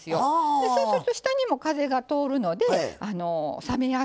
でそうすると下にも風が通るので冷めやすい。